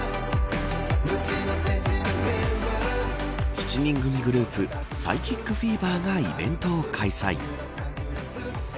７人組グループＰＳＹＣＨＩＣＦＥＶＥＲがイベントを開催。